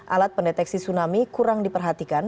alat pendeteksi tsunami kurang diperhatikan